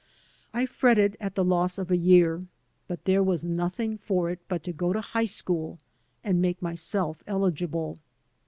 I fretted at the loss of a year, but there was nothing for it but to go to high school and make myself eligible.